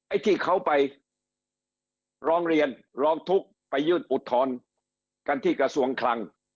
ไอ้ที่เขาไปร้องเรียนร้องทุกข์ไปยื่นอุทธรณ์กันที่กระทรวงคลัง